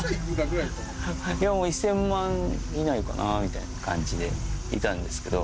１０００万以内かなみたいな感じでいたんですけど